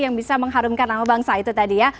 yang bisa mengharumkan nama bangsa itu tadi ya